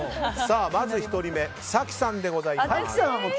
まず１人目早紀さんでございます。